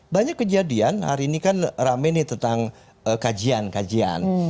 banyak kejadian hari ini kan rame nih tentang kajian kajian